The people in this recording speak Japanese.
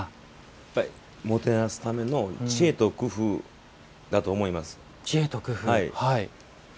やっぱり、もてなすための知恵と工夫だと思います。